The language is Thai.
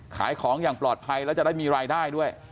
ขายของอย่างปลอดภัยแล้วจะได้มีรายได้ด้วย